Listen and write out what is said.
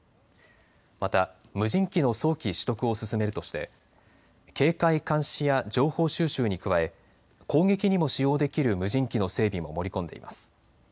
また無人機の早期取得を進めるとして警戒監視や情報収集に加え攻撃にも使用できる無人機の整備も盛り込んでいます。